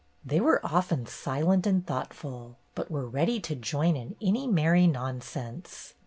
They were often silent and thoughtful, but were ready to join in any merry nonsense.